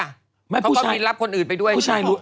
เขาก็มีรับคนอื่นไปด้วย